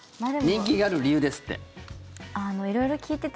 人気がある理由ですって。